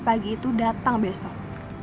pagi itu datang besok